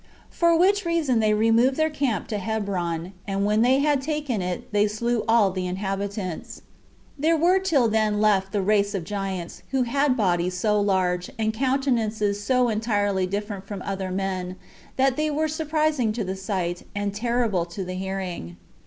3. For which reason they removed their camp to Hebron; and when they had taken it, they slew all the inhabitants. There were till then left the race of giants, who had bodies so large, and countenances so entirely different from other men, that they were surprising to the sight, and terrible to the hearing.